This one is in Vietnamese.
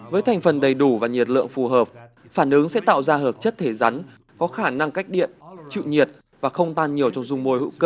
với thành phần đầy đủ và nhiệt lượng phù hợp phản ứng sẽ tạo ra hợp chất thể rắn có khả năng cách điện chịu nhiệt và không tan nhiều trong dung môi hữu cơ